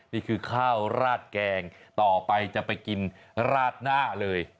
นี่คือข้าวราดแกงต่อไปจะไปกินราดหน้าเลย